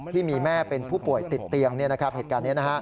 ที่มีแม่เป็นผู้ป่วยติดเตียงเหตุการณ์นี้